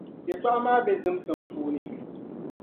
Yɛltɔɣa maa be zimsim puuni.